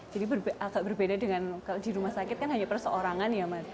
jadi agak berbeda dengan di rumah sakit kan hanya perseorangan ya